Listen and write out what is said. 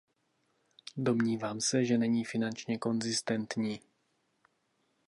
Domnívám se, že není finančně konzistentní.